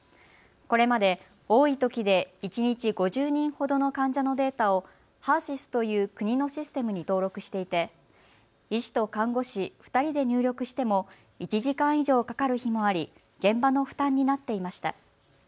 これまで多いときで一日５０人ほどの患者のデータをＨＥＲーＳＹＳという国のシステムに登録していて医師と看護師２人で入力しても１時間以上かかる日もあり現場の負担になっていました。